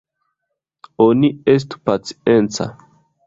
Oni estu pacienca!